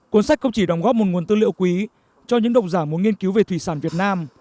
cuốn sách không chỉ đóng góp một nguồn tư liệu quý cho những độc giả muốn nghiên cứu về thủy sản việt nam